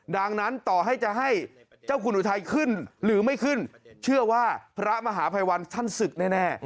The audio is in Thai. ดังนั้นต่อให้จะให้เจ้าคุณอุทัยขึ้นหรือไม่ขึ้นเชื่อว่าพระมหาภัยวันท่านศึกแน่